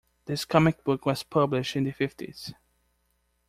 This comic book was published in the fifties.